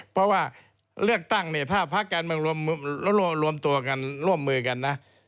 เพราะว่าเลือกตั้งเนี่ยถ้าภาคการเมืองรวมตัวกันร่วมมือกันนะ